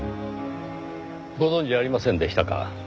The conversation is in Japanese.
ご存じありませんでしたか。